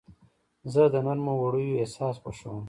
زه د نرمو وړیو احساس خوښوم.